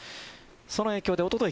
その影響でおととい